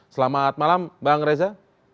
selamat malam bang reza